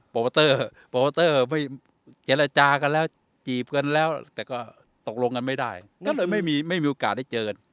โปรโมเตอร์ไม่เจรจากันแล้วจีบกันแล้วแต่ก็ตกลงกันไม่ได้ก็เลยไม่มีโอกาสได้เจอกัน